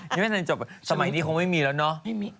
ยังไม่ทันจบสมัยนี้คงไม่มีแล้วเนาะ